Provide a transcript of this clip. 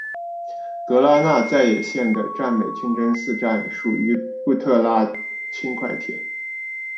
格拉那再也线的占美清真寺站属于布特拉轻快铁。